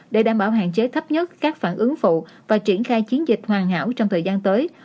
để đảm bảo hạn chế thấp nhất các phản ứng phụ và triển khai chiến dịch hoàn hảo trong thời gian tới